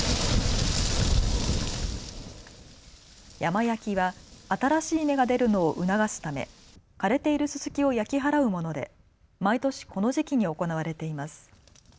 山焼きは新しい芽が出るのを促すため枯れているすすきを焼き払うもので毎年この時期に行われています。